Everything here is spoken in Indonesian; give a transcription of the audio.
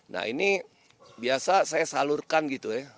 nah ini biasa saya salurkan gitu ya